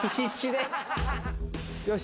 よし。